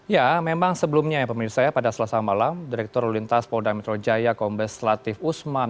ya memang sebelumnya ya pemirsa pada selasa malam direktur lintas polda metro jaya kombes latif usman